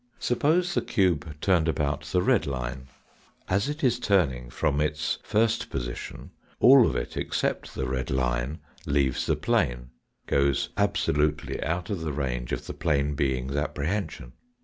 Suppose the cube turned about the red line. As it 144 THE DIMENSION is turning from its first position all of it except the red line leaves the plane goes absolutely out of the range of the plane being's apprehension.